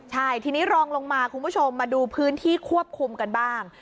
ใช่ทีนี้รองลงมาคุณผู้ชมมาดูพื้นที่ควบคุมกันบ้าง